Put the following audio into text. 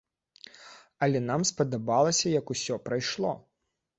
Але нам спадабалася, як усё прайшло.